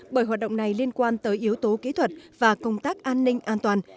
bởi hoạt động này liên quan tới yếu tố kỹ thuật và công tác an ninh an toàn